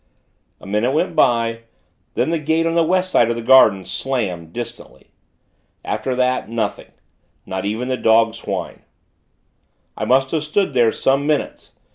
A minute went by; then the gate on the West side of the gardens, slammed, distantly. After that, nothing; not even the dog's whine. I must have stood there some minutes.